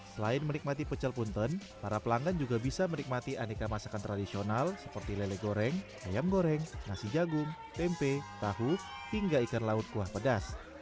selain menikmati pecel punten para pelanggan juga bisa menikmati aneka masakan tradisional seperti lele goreng ayam goreng nasi jagung tempe tahu hingga ikan laut kuah pedas